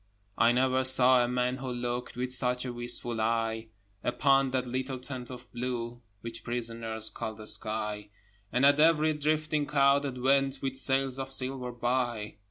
I never saw a man who looked With such a wistful eye Upon that little tent of blue Which prisoners call the sky, And at every drifting cloud that went With sails of silver by.